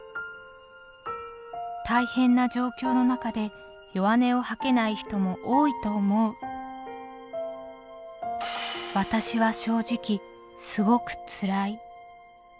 「大変な状況の中で弱音を吐けない人も多いと思うわたしは正直すごくつらい！！」。